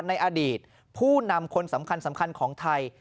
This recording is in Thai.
ในอดีตผู้นำคนสำคัญของไทย